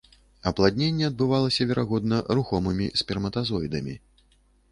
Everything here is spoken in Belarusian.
Апладненне адбывалася, верагодна, рухомымі сперматазоідамі.